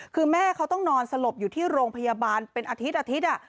คือแม่เขาต้องนอนสลบอยู่ที่โรงพยาบาลเป็นอาทิตอาทิตย์